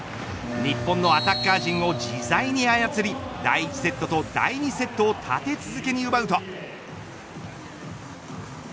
日本のアタッカー陣を自在に操り第１セットと第２セットを立て続けに奪うと。